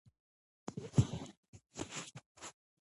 د ګلانو وږم ټوله کوټه نیولې وه.